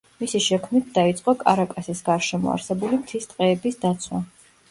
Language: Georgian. მისი შექმნით დაიწყო კარაკასის გარშემო არსებული მთის ტყეების დაცვა.